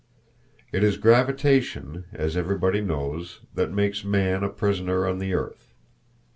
It is gravitation, as everybody knows, that makes man a prisoner on the earth.